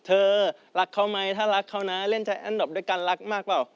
เธอรักเขามั้ยถ้ารักเขานะเล่นใจกันดีกันรักมากเปล่า